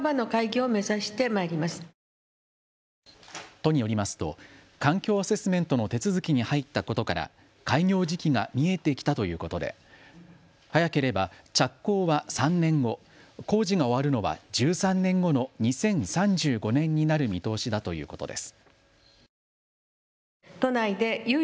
都によりますと環境アセスメントの手続きに入ったことから開業時期が見えてきたということで早ければ着工は３年後、工事が終わるのは１３年後の２０３５年になる見通しだということです。